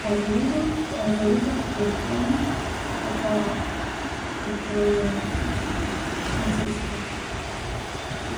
As a result of his pain, her father, Nikolai, curses her.